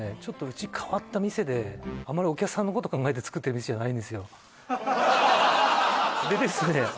ちょっとあまりお客さんのこと考えて作ってる店じゃないんですよでですね